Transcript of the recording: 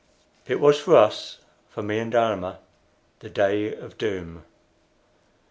It was for us for me and for Almah the day of doom.